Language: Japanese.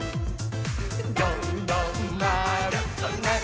「どんどんまあるくなる！」